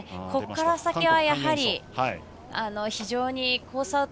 ここから先はやはりコース